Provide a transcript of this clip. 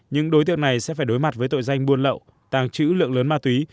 những đối tượng này sẽ phải đối mặt với tội danh buôn lậu tàng trữ lượng lớn ma túy